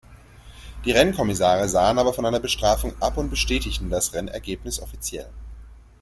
Die Rennkommissare sahen aber von einer Bestrafung ab und bestätigten das Rennergebnis offiziell.